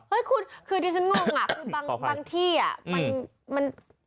เฮ้ยคุณคือที่ฉันงงอ่ะคือบางบางที่อ่ะอืมมัน